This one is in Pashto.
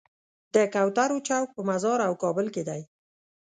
د کوترو چوک په مزار او کابل کې دی.